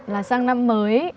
là sang năm mới